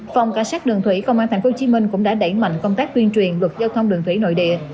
phòng cảnh sát đường thủy công an tp hcm cũng đã đẩy mạnh công tác tuyên truyền luật giao thông đường thủy nội địa